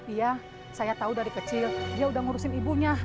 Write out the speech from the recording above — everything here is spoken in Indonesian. iya saya tahu dari kecil dia udah ngurusin ibunya